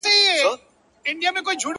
رنځ یې تللی له هډونو تر رګونو؛